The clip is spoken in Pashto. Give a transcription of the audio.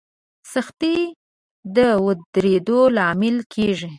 سختي د ودرېدو لامل کېږي.